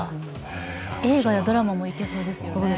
映画やドラマもいけそうですよね。